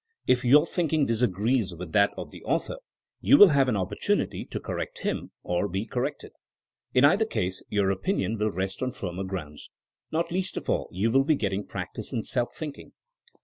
If your thinking disagrees with that of the author you vdll have an opportunity to correct him — or be corrected. In either case your opinion will rest on firmer grounds. Not least of all you will be getting practice in self thinking.